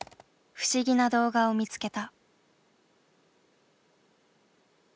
不思議な動画を見つけた。